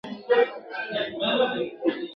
توتکۍ ورته په سرو سترګو ژړله !.